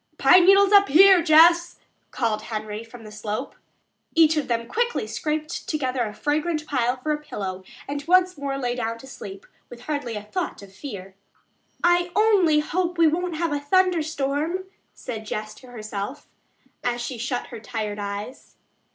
"Pine needles up here, Jess," called Henry from the slope. Each of them quickly scraped together a fragrant pile for a pillow and once more lay down to sleep, with hardly a thought of fear. "I only hope we won't have a thunderstorm," said Jess to herself, as she shut her tired eyes.